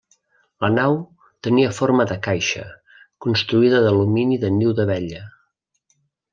La nau tenia forma de caixa, construïda d'alumini de niu d'abella.